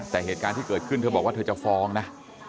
แต่เหตุการณ์ที่เกิดขึ้นเธอบอกว่าเธอจะฟ้องนะ